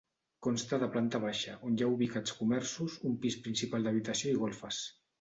Consta de planta baixa, on hi ha ubicats comerços, un pis principal d'habitació i golfes.